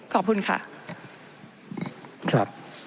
ขอบคุณค่ะ